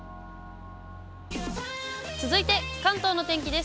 続いて関東の天気です。